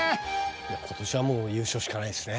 今年はもう優勝しかないですね